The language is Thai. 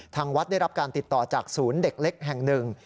ทางวัดได้รับการติดต่อจากศูนย์เด็กเล็กแห่งหนึ่ง